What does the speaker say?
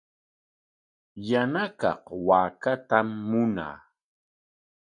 Yana kaq waakatam munaa.